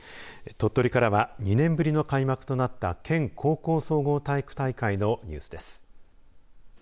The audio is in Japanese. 鳥取からは２年ぶりの開幕となった県高校総合体育大会のニュースです。